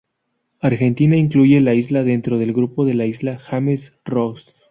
Argentina incluye la isla dentro del grupo de la isla James Ross.